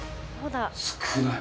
少ない！